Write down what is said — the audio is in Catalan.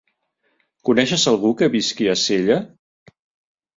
Coneixes algú que visqui a Sella?